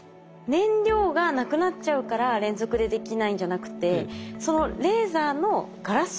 燃料がなくなっちゃうから連続でできないんじゃなくてそのレーザーのガラスなんですね。